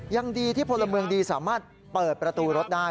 ยังดีที่พลเมืองดีสามารถเปิดประตูรถได้